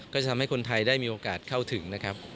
ก็จะทำให้คนไทยได้มีโอกาสเข้าถึงนะครับ